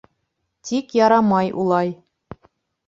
Тик ярамай улай...